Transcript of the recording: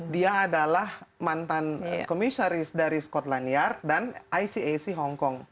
dia adalah mantan komisaris dari skotlandiar dan icac hongkong